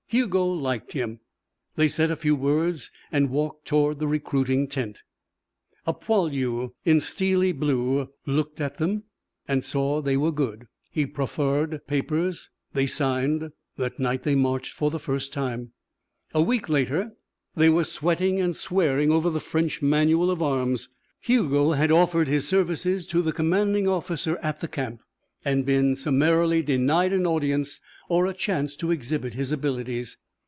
Hugo liked him. They said a few words and walked toward the recruiting tent. A poilu in steely blue looked at them and saw that they were good. He proffered papers. They signed. That night they marched for the first time. A week later they were sweating and swearing over the French manual of arms. Hugo had offered his services to the commanding officer at the camp and been summarily denied an audience or a chance to exhibit his abilities.